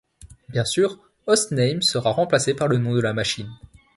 Bien sûr $hostname sera remplacé par le nom de la machine.